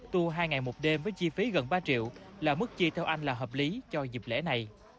tour hai ngày một đêm với chi phí gần ba triệu là mức chi theo anh là hợp lý cho dịp lễ này